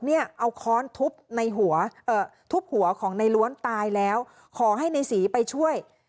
เอาค้อนทุบหัวของในล้วนตายแล้วขอให้ในสีไปช่วย